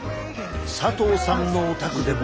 佐藤さんのお宅でも。